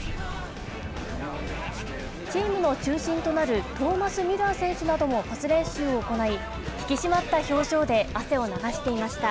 チームの中心となるトーマス・ミュラー選手などもパス練習を行い、引き締まった表情で汗を流していました。